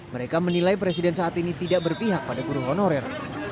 mereka menilai presiden saat ini tidak berpihak pada guru honorer